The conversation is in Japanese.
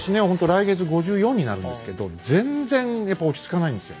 来月５４になるんですけど全然やっぱり落ち着かないんですよ。